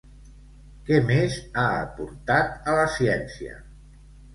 Què més ha aportat a la ciència?